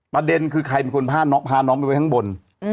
ประเด็นคือใครเป็นคนพาน้องพาน้องไปข้างบน